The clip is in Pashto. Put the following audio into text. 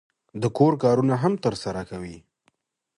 د کور کارونه هم ترسره کوم.